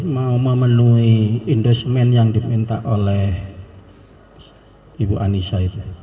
mau memenuhi endorsement yang diminta oleh ibu anisha